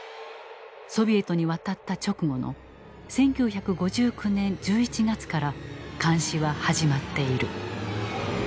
ソビエトに渡った直後の１９５９年１１月から監視は始まっている。